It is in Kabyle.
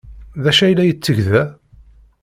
D acu ay la yetteg da?